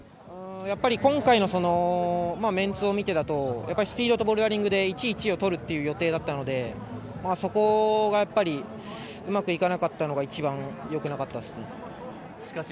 やっぱり今回のメンツを見てだとスピードとボルダリングで１位、１位をとる予定だったのでそこがやっぱりうまくいかなかったのが一番良くなかったですね。